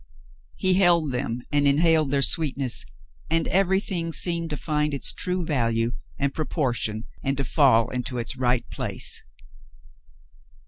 He held them and inhaled their sweetness, and every thing seemed to find its true value and proportion and to fall into its right place.